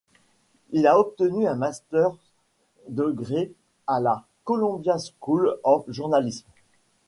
Il a obtenu un master's degree à la Columbia School of Journalism.